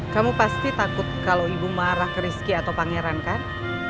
kamu pasti takut kalau ibu marah ke rizki atau pangeran kan